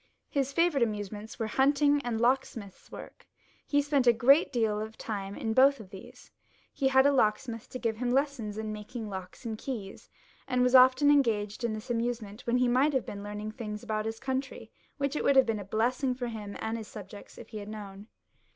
His favourite amusements were hunting and lock smith's work ; he spent a great deal of time in both of these. He had a locksmith to giv% him lessons in making locks and keys, and was often engaged in this amusement 378 LOUIS XVL [CH. when he might have been learning things about his coon tiy, which it would have been a blessing for him and his subjects if he had known.